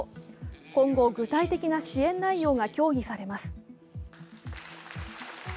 今後、具体的な支援内容が協議されます。